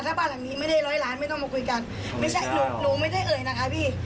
ถ้าบ้านหลังนี้ไม่ได้ร้อยล้านไม่ต้องมาคุยกันไม่ใช่หนูหนูไม่ได้เอ่ยนะคะพี่